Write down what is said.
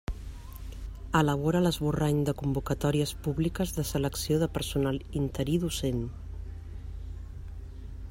Elabora l'esborrany de convocatòries públiques de selecció de personal interí docent.